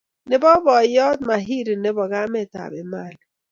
Nebo boiyot Mahiri nebo kametab Emali